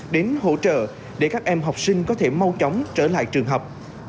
đến hỗ trợ để các em học sinh có thể mau chóng trở lại trường học